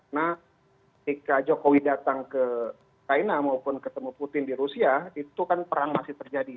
nah ketika jokowi datang ke china maupun ketemu putin di rusia itu kan perang masih terjadi